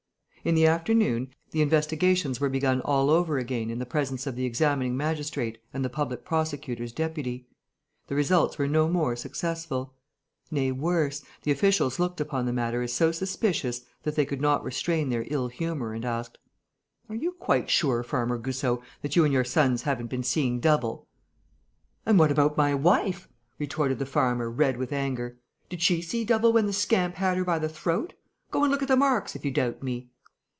In the afternoon, the investigations were begun all over again in the presence of the examining magistrate and the public prosecutor's deputy. The results were no more successful. Nay, worse, the officials looked upon the matter as so suspicious that they could not restrain their ill humour and asked: "Are you quite sure, Farmer Goussot, that you and your sons haven't been seeing double?" "And what about my wife?" retorted the farmer, red with anger. "Did she see double when the scamp had her by the throat? Go and look at the marks, if you doubt me!"